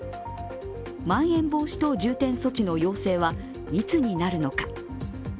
まん延防止等重点措置の要請はいつになるのか。